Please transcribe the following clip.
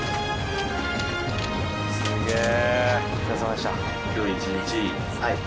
すげえ。